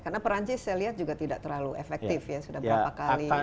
karena perancis saya lihat juga tidak terlalu efektif ya sudah berapa kali